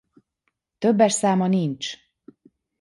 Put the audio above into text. Többes száma nincs!